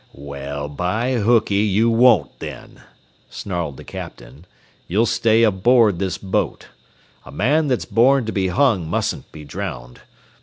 "Well, by hookey, you won't, then," snarled the captain; "you'll stay aboard this boat. A man that's born to be hung mustn't be drowned.